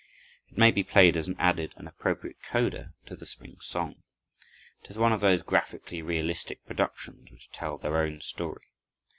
It may be played as an added and appropriate coda to the spring song. It is one of those graphically realistic productions which tell their own story.